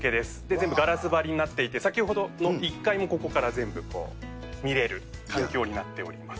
全部ガラス張りになっていて、先ほどの１階もここから全部見るという状況になっております。